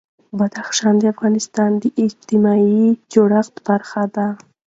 بدخشان د افغانستان د اجتماعي جوړښت برخه ده.